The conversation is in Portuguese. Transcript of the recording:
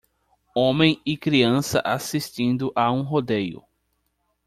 Homem e criança assistindo a um rodeio.